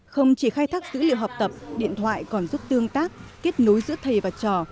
không chỉ khai thác dữ liệu học tập điện thoại còn giúp tương tác kết nối giữa thầy và trò